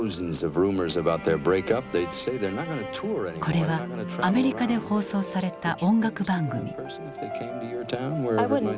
これはアメリカで放送された音楽番組。